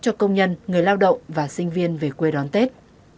cho công nhân người lao động và sinh viên về quê đón tết